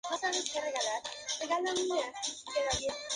Destaca el gusto por el buen trato al balón, como siempre mostró como jugador.